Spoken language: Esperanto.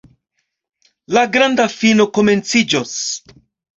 La granda fino komenciĝos.